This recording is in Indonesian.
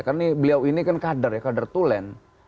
karena beliau ini kan kader ya kader tulen